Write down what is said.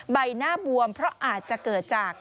ใบหน้าบวมเพราะอาจจะเกิดจาก